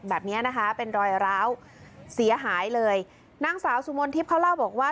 แบบนี้นะคะเป็นรอยร้าวเสียหายเลยนางสาวสุมนทิพย์เขาเล่าบอกว่า